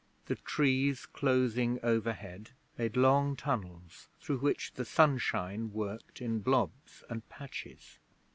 The trees closing overhead made long tunnels through which the sunshine worked in blobs and patches.